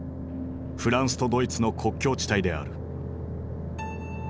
フランスとドイツの国境地帯である。